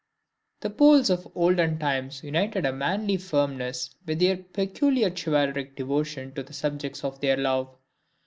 The Poles of olden times united a manly firmness with this peculiar chivalric devotion to the objects of their love.